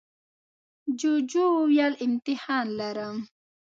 جوجو وویل امتحان لرم.